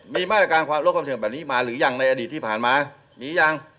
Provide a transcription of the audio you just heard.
มีมาตรการความลดความเสี่ยงแบบนี้มาหรือยังในอดีตที่ผ่านมามียัง